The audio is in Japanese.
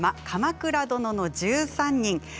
「鎌倉殿の１３人」